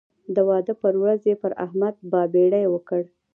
د واده پر ورځ یې پر احمد بابېړۍ وکړ.